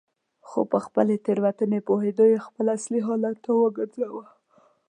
خو په خپلې تېروتنې پوهېدو یې بېرته خپل اصلي حالت ته راوګرځاوه.